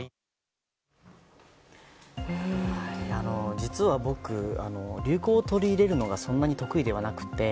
実は僕、流行を取り入れるのがそんなに得意ではなくて。